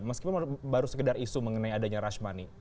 meskipun baru sudah isu mengenai adanya rashmani